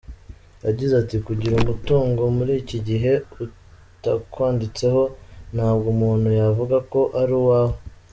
Yagize ati “Kugira umutungo muri iki gihe utakwanditseho ntabwo umuntu yavuga ko ari uwawe.